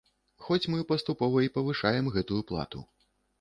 Хоць мы паступова і павышаем гэтую плату.